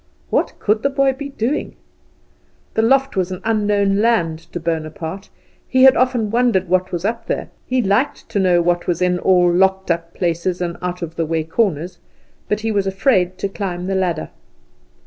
What could the boy be doing? The loft was an unknown land to Bonaparte. He had often wondered what was up there; he liked to know what was in all locked up places and out of the way corners, but he was afraid to climb the ladder.